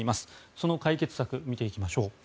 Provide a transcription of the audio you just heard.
その解決策を見ていきましょう。